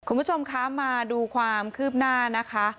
คุณผู้ชมคะมาดูความคืบหน้านะคะ